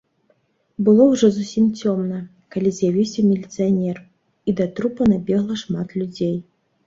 Было ўжо зусім цёмна, калі з'явіўся міліцыянер, і да трупа набегла шмат людзей.